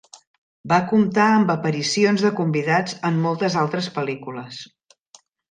Va comptar amb aparicions de convidats en moltes altres pel·lícules.